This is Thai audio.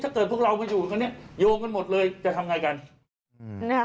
ถ้าเกิดพวกเรามาอยู่กันโยงกันหมดเลยจะทำอย่างไรกัน